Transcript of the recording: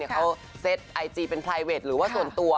เขาเซ็ตไอจีเป็นไพเวทหรือว่าส่วนตัว